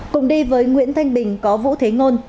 cùng đi với nguyễn thanh bình có vũ thế ngôn